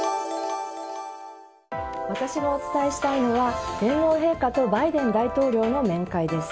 私がお伝えしたいのは天皇陛下とバイデン大統領の面会です。